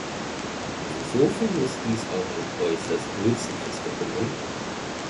Insofern ist dies auch ein äußerst nützliches Dokument.